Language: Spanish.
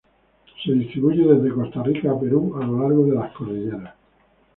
Se distribuye desde Costa Rica a Perú, a lo largo de las cordilleras.